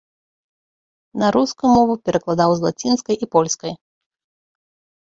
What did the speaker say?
На рускую мову перакладаў з лацінскай і польскай.